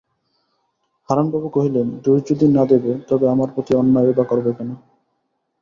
হারানবাবু কহিলেন, দোষ যদি না দেবে তবে আমার প্রতি অন্যায়ই বা করবে কেন?